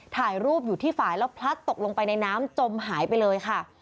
ถ่ายรูปอยู่ที่ฝ่ายแล้วพลัดตกลงไปในน้ำจมหายไปเลยค่ะ